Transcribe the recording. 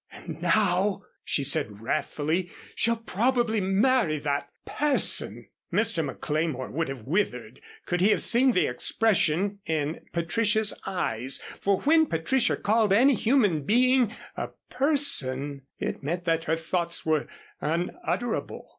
"And now," she said wrathfully, "she'll probably marry that person." Mr. McLemore would have withered could he have seen the expression in Patricia's eyes, for when Patricia called any human being a "person," it meant that her thoughts were unutterable.